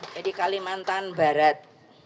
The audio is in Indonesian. jadi kalimantan barat